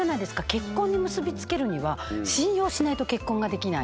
結婚に結び付けるには信用しないと結婚ができない。